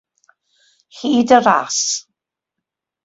Hyd y ras.